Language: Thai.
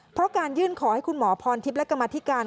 เพราะการยื่นขอให้คุณหมอพรทิพย์และกรรมธิการ